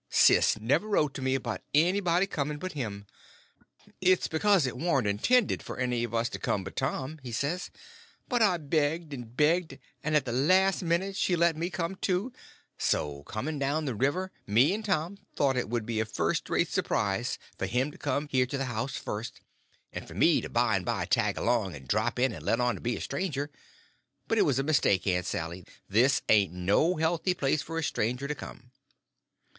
Sis never wrote to me about anybody coming but him." "It's because it warn't intended for any of us to come but Tom," he says; "but I begged and begged, and at the last minute she let me come, too; so, coming down the river, me and Tom thought it would be a first rate surprise for him to come here to the house first, and for me to by and by tag along and drop in, and let on to be a stranger. But it was a mistake, Aunt Sally. This ain't no healthy place for a stranger to come."